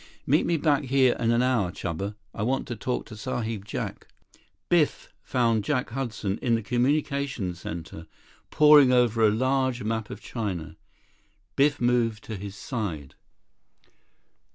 "Meet me back here in an hour, Chuba. I want to talk to Sahib Jack." Biff found Jack Hudson in the communications center, pouring over a large map of China. Biff moved to his side.